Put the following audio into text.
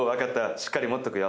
しっかり持っとくよ。